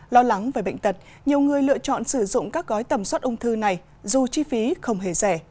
lo lắng về bệnh tật nhiều người lựa chọn sử dụng các gói tầm soát ung thư này dù chi phí không hề rẻ